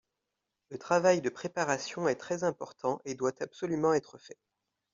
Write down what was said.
Le travail de préparation est très important et doit absolument être fait